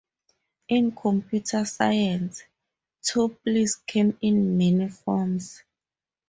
In computer science, tuples come in many forms.